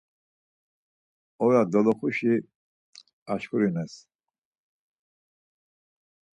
Ora doloxusi aşǩurines.